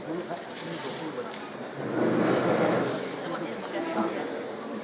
bak bak bak